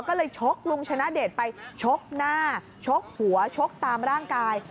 ก็เลยชกลุงชนะเดชไปชกหน้าชกหัวชกตามร่างกาย